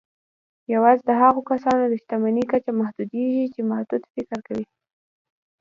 يوازې د هغو کسانو د شتمني کچه محدودېږي چې محدود فکر کوي.